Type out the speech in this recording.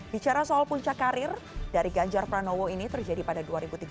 bicara soal puncak karir dari ganjar pranowo ini terjadi pada dua ribu tiga belas